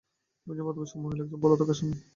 তুমি একজন প্রাপ্তবয়স্ক মহিলা ও একজন পলাতক আসামি?